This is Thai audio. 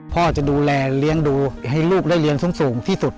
พ่อจะดูแลเลี้ยงดูให้ลูกได้เรียนสูงที่สุด